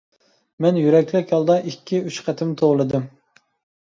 مەن يۈرەكلىك ھالدا ئىككى، ئۈچ قېتىم توۋلىدىم.